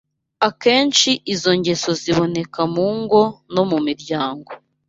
Akenshi izo ngeso ziboneka mu ngo no mu miryango